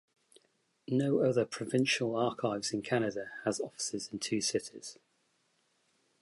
No other provincial archives in Canada has offices in two cities.